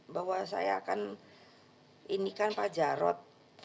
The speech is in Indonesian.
bahwa saya akan indikan pak jarod